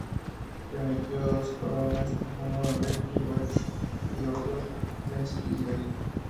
Permitió dos jonrones, uno de Rickie Weeks y otro de Prince Fielder.